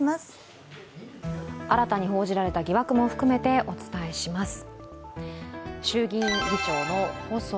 新たに報じられた疑惑も含めてお伝えします。